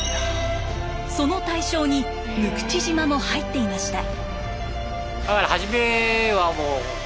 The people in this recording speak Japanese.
その対象に六口島も入っていました。